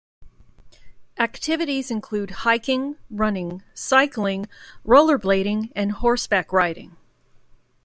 Activities include hiking, running, cycling, rollerblading, and horseback riding.